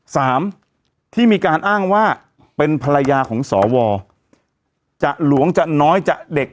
สามที่มีการอ้างว่าเป็นภรรยาของสวจะหลวงจะน้อยจะเด็ก